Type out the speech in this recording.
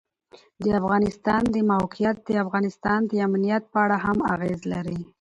د افغانستان د موقعیت د افغانستان د امنیت په اړه هم اغېز لري.